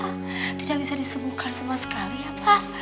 tidak bisa disembuhkan sama sekali ya pak